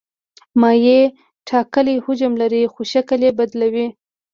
مایع ټاکلی حجم لري خو شکل یې بدلوي.